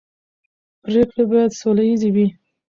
پرېکړې باید سوله ییزې وي